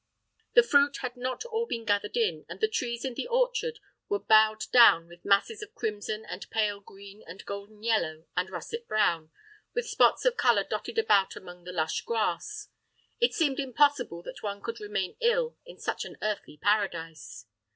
The fruit had not all been gathered in, and the trees in the orchard were bowed down with masses of crimson and pale green and golden yellow and russet brown, with spots of colour dotted about among the lush grass. It seemed impossible that one could remain ill in such an earthly paradise!